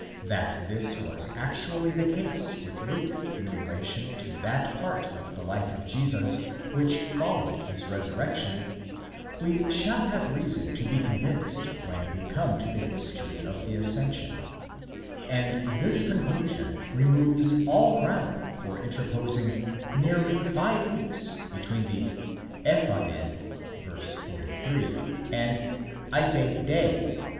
That this was actually the case with Luke in relation to that part of the life of Jesus which followed his resurrection, we shall have reason to be convinced when we come to the his tory of the ascension : and this conclusion removes all ground for interposing nearly five weeks between the ἔφαγεν, v. 43, and εἶπε δὲ, v.